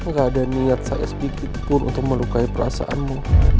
gak ada niat saya sepikitpun untuk melukai perasaanmu